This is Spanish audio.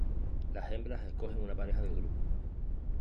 Las hembras escogen una pareja del grupo.